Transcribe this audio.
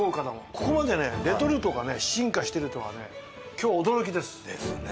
ここまでねレトルトがね進化してるとはね今日驚きです。ですね。